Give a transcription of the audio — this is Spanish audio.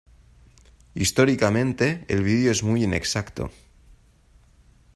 Históricamente, el video es muy inexacto.